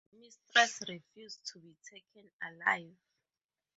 Mistress refused to be taken alive.